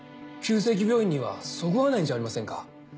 急性期病院にはそぐわないんじゃありませんか？